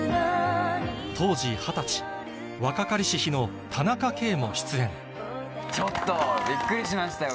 当時二十歳若かりし日の田中圭も出演ちょっとビックリしましたよ